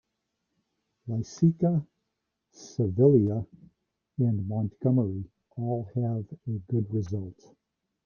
Laiseka, Sevilla and Montgomery all have a good result.